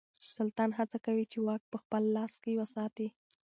سلطان هڅه کوي چې واک په خپل لاس کې وساتي.